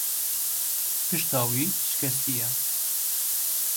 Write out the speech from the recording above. Pişta wî şikestiye.